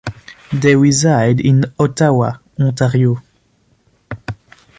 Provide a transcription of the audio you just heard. They reside in Ottawa, Ontario.